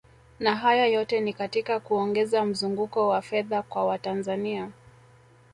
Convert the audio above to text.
Na haya yote ni katika kuongeza mzunguko wa fedha kwa Watanzania